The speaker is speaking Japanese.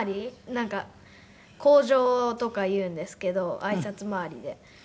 なんか口上とか言うんですけどあいさつ回りで。